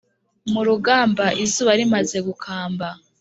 murugamba izuba rimaze gukamba